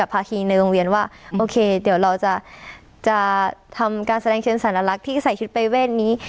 ภาคีในโรงเรียนว่าโอเคเดี๋ยวเราจะทำการแสดงเชิงสัญลักษณ์ที่ใส่ชุดประเวทนี้